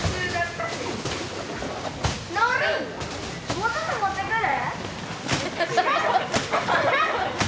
もうちょっと持ってくる？